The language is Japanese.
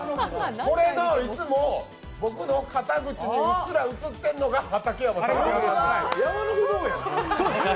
これの、いつも僕の肩口にうっすら写ってるのが畠山君。